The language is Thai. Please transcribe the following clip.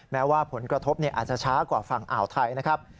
แม้ว่าผลกระทบอาจจะช้ากว่าฝั่งอ่าวไทยนะครับ